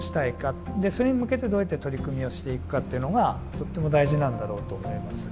それに向けてどうやって取り組みをしていくかっていうのがとっても大事なんだろうと思います。